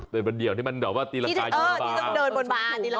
แต่วันเดียวที่มันแบบว่าตีรังกาอยู่บาร์